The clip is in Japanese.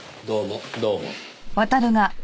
どうも。